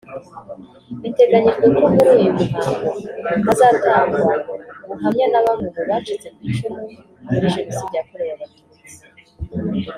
Biteganyijwe ko muri uyu muhango hazatangwa ubuhamya na bamwe mu bacitse ku icumu muri Jenoside yakorewe Abatutsi